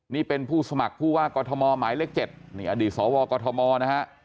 นี่เป็นผู้สมัครผู้ว่ากอทมหมายเลข๗นี่อดีตสวกมนะฮะ